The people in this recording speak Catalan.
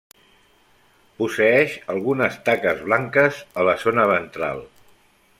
Posseeix algunes taques blanques a la zona ventral.